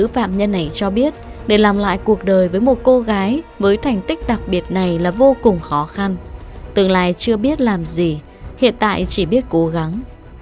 phạm nhân này cho biết để làm lại cuộc đời với một cô gái với thành tích đặc biệt này là vô cùng khó khăn tương lai chưa biết làm gì hiện tại chỉ biết cố gắng